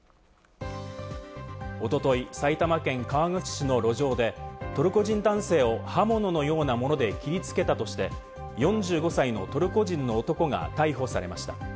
おととい、埼玉県川口市の路上で、トルコ人男性を刃物のようなもので切りつけたとして、４５歳のトルコ人の男が逮捕されました。